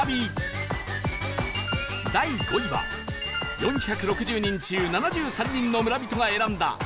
第５位は４６０人中７３人の村人が選んだ